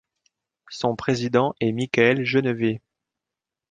Son président est Michaël Genevée.